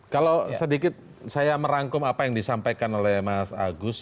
kalau sedikit saya merangkum apa yang disampaikan oleh mas agus